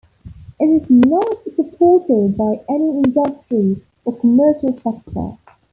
It is not supported by any industry or commercial sector.